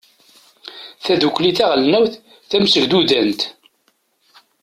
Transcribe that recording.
tadukli taɣelnawt tamsegdudant